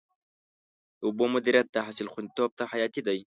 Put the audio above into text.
د اوبو مدیریت د حاصل خوندیتوب ته حیاتي دی.